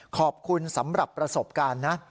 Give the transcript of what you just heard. ขอบคุณสำหรับประสบการณ์นะ